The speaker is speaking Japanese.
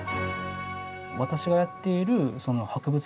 私がやっている博物学。